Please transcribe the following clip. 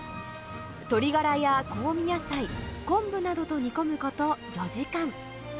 鶏ガラや香味野菜、昆布などと煮込むこと４時間。